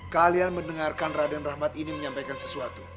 kalian mendengarkan raden rahmat ini menyampaikan sesuatu